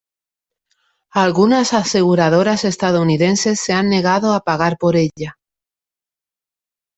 Algunas aseguradoras estadounidenses se han negado a pagar por ella.